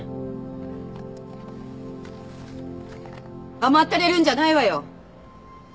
甘ったれるんじゃないわよ！